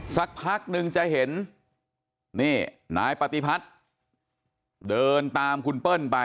สักพักนึงจะเห็นนี่นายปฏิพัฒน์เดินตามคุณเปิ้ลไป